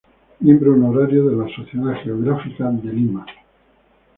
Miembro honorario de la Sociedad Geográfica de Lima.